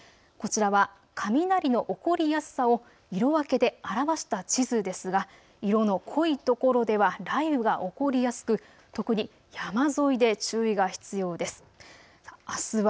こちらは雷の起こりやすさを色分けで表した地図ですが色の濃い所では雷雨が起こりやすく特に山沿いで注意が必要です。